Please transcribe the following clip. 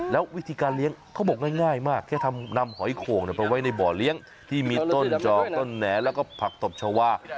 แล้ววิธีการเลี้ยงเขาบอกง่ายมากแค่ทำนำหอยโข่งไปไว้ในบ่อเลี้ยงที่มีต้นจอกต้นแหน่แล้วก็ผักตบชาวา